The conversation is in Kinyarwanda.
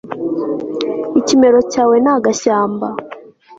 ikimero cyawe ni agashyamba